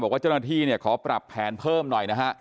บอกว่าเจ้าหน้าที่ขอปรับแผนเพิ่มหน่อย